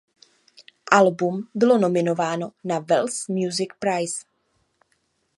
Album bylo nominováno na Welsh Music Prize.